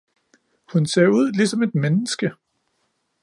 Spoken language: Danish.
hun ser ud ligesom et menneske!